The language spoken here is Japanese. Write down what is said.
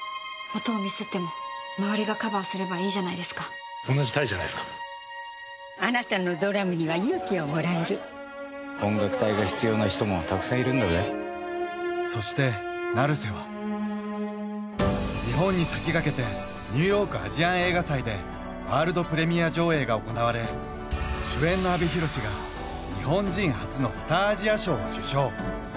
音をミスっても周りがカバーすればいいじゃないですか同じ隊じゃないですか・あなたのドラムには勇気をもらえる・音楽隊が必要な人もたくさんいるんだぜそして成瀬は日本に先駆けてニューヨーク・アジアン映画祭でワールドプレミア上映が行われ主演の阿部寛が日本人初のスター・アジア賞を受賞